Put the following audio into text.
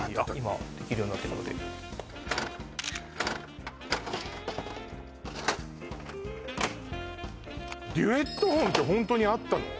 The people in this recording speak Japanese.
今できるようになってるのでデュエットホンってホントにあったの？